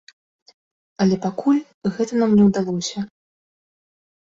Але пакуль гэта нам не ўдалося.